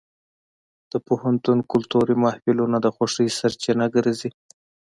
د پوهنتون کلتوري محفلونه د خوښۍ سرچینه ګرځي.